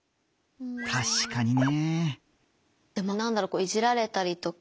たしかにね。